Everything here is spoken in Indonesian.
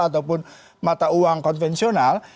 ataupun mata uang konvensional